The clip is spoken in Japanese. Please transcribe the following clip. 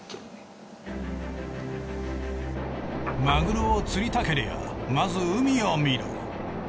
マグロを釣りたけりゃまず海を見る。